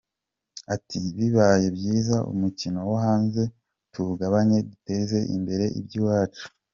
Ati “Bibaye byiza umuziki wo hanze tuwugabanye duteze imbere iby’iwacu.